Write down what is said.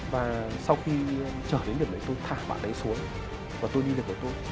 và sau khi trở đến đường đấy tôi thả bạn ấy xuống và tôi đi được với tôi